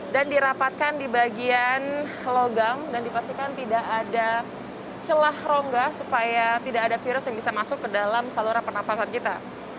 dan dirapatkan di bagian logam dan dipastikan tidak ada celah rongga supaya tidak ada virus yang bisa masuk ke dalam saluran penapasan kita